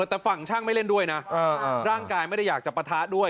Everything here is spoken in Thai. แต่ฝั่งช่างไม่เล่นด้วยนะร่างกายไม่ได้อยากจะปะทะด้วย